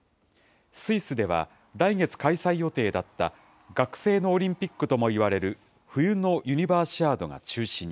スイスでは、来月開催予定だった学生のオリンピックともいわれる、冬のユニバーシアードが中止に。